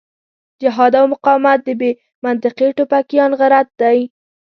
جهاد او مقاومت د بې منطقې ټوپکيان غرت دی.